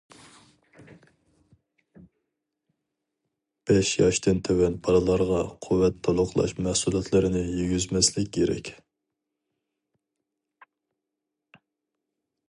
بەش ياشتىن تۆۋەن بالىلارغا قۇۋۋەت تولۇقلاش مەھسۇلاتلىرىنى يېگۈزمەسلىك كېرەك.